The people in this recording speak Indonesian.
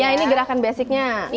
ini gerakan basicnya